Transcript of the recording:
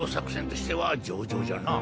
陽動作戦としては上々じゃな。